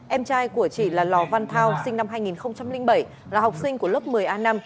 em trai của chị là lò văn thao sinh năm hai nghìn bảy là học sinh của lớp một mươi a năm